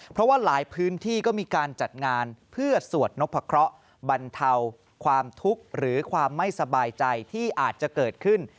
เพราะว่าหลายพื้นที่ก็มีการจัดงานเพื่อสวดนพะเคราะห์บรรเทาความทุกข์หรือความไม่สบายใจที่อาจจะเกิดขึ้น